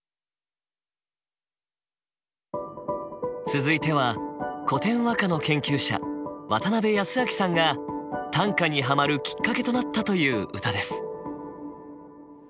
続いては古典和歌の研究者渡部泰明さんが短歌にハマるきっかけとなったという歌です。